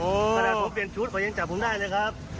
โอ้ถ้าถูกเปลี่ยนชุดก็ยังจับผมได้เลยครับ